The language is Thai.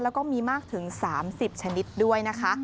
แล้วก็มีมากถึง๓๐ชนิดด้วยนะคะ